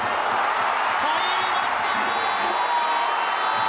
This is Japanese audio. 入りました！